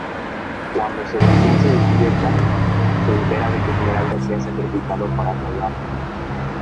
Cuando Sebastian se despierta, se entera de que Esmeralda se ha sacrificado para salvarlo.